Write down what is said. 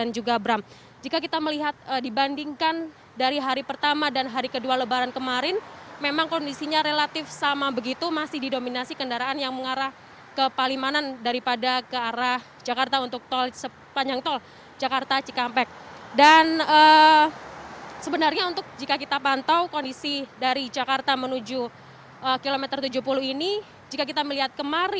jadi ini adalah kondisi yang sangat berbeda